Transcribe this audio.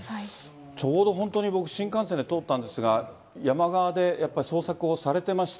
ちょうど本当に僕、新幹線で通ったんですが、山側でやっぱり捜索をされてました。